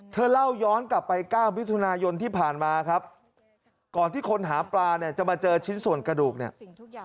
เธอเล่าย้อนกลับไป๙มิถุนายนที่ผ่านมาครับก่อนที่คนหาปลาเนี่ยจะมาเจอชิ้นส่วนกระดูกเนี่ย